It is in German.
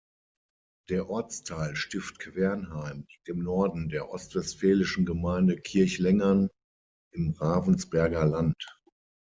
Der Ortsteil Stift Quernheim liegt im Norden der ostwestfälischen Gemeinde Kirchlengern im Ravensberger Land.